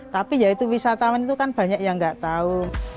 tapi ya itu wisatawan itu kan banyak yang nggak tahu